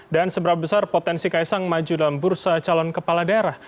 dan seberapa besar potensi kaisang maju dalam bursa calon kepala daerah